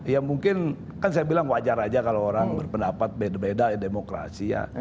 ya mungkin kan saya bilang wajar aja kalau orang berpendapat beda beda ya demokrasi ya